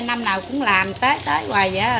năm nào cũng làm tết tới hoài vậy